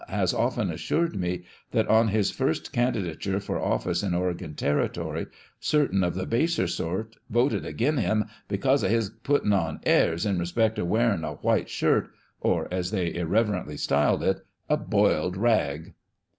has often assured me that on his first candi dature for office in Oregon territory, certain of the baser sort " voted agin' him 'cause of his puttin' on airs" in respect of wearing a white shirt, or, as they irreverently styled it, a " boiled rag."